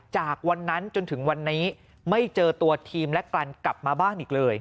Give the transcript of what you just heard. จากวันนั้นจนถึงวันนี้ไม่เจอตัวทีมและกลันกลับมาบ้านอีกเลย